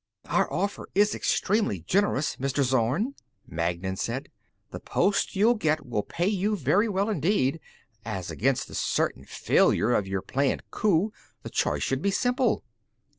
"Our offer is extremely generous, Mr. Zorn," Magnan said. "The post you'll get will pay you very well indeed. As against the certain failure of your planned coup, the choice should be simple."